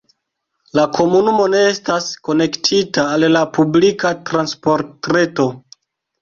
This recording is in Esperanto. La komunumo ne estas konektita al la publika transportreto.